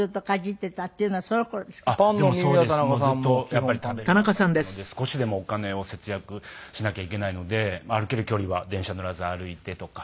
もうずっとやっぱり食べられなかったので少しでもお金を節約しなきゃいけないので歩ける距離は電車乗らず歩いてとか。